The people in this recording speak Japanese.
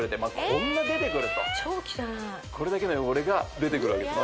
こんな出てくると超汚いこれだけの汚れが出てくるわけです